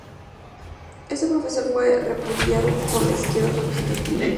Este proceso fue repudiado por la izquierda representativa.